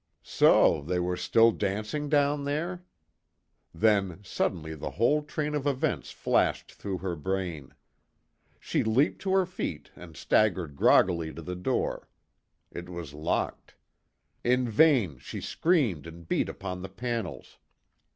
So, they were still dancing, down there? Then, suddenly the whole train of events flashed through her brain. She leaped to her feet and staggered groggily to the door. It was locked. In vain she screamed and beat upon the panels.